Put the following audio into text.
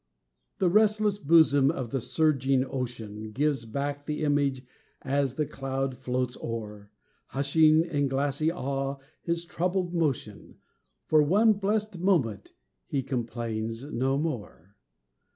The restless bosom of the surging ocean Gives back the image as the cloud floats o'er, Hushing in glassy awe his troubled motion; For one blest moment he complains no more.